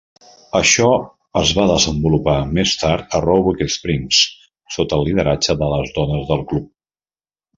Això es va desenvolupar més tard a Roebuck Springs sota el lideratge de les dones del club.